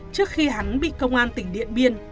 trước khi hắn bị công an tỉnh điện biên